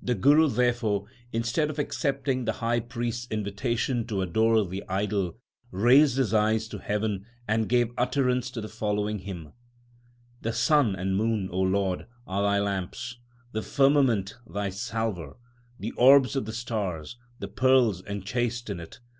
The Guru therefore, instead of accepting the high priest s invitation to adore the idol, raised his eyes to heaven, and gave utterance to the following hymn : The sun and moon, O Lord, are thy lamps ; the firmament, Thy salver ; the orbs of the stars, the pearls enchased in it.